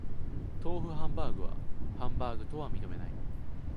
豆腐ハンバーグはハンバーグとは認めない